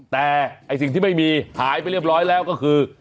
แต่ไอ้สิ่งที่ไม่มีหายไปเรียบร้อยแล้วก็คือ